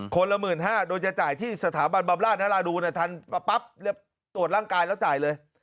คนละ๑๕๐๐บาทโดยจะจ่ายที่สถาบันบำราชนราดูนทันมาปั๊บตรวจร่างกายแล้วจ่ายเลย